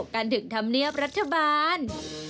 กันถึงธรรมเนียบรัฐบาล